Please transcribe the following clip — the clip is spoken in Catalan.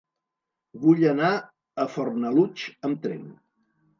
Vull anar a Fornalutx amb tren.